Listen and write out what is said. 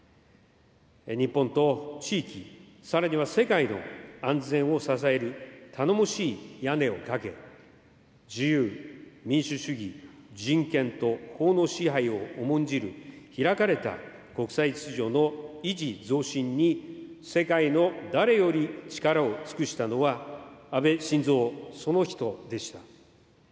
日本と地域、さらには世界の安全を支える頼もしい屋根をかけ、自由、民主主義、人権と法の支配を重んじる開かれた国際秩序の維持増進に世界の誰より力を尽くしたのは安倍晋三、その人でした。